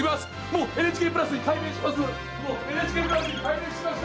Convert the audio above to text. もうＮＨＫプラスに改名しました！